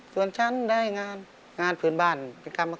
ถือได้งานเด่นเป็นนักรองอยู่ห้องอาหาร